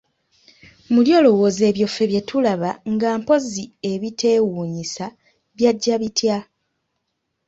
Muli olowooza ebyo ffe bye tulaba nga mpozzi ebiteewuunyisa byajja bitya?